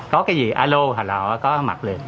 có cái gì alo hoặc là họ có mặt liền